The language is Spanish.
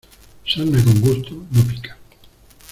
Sarna con gusto, no pica.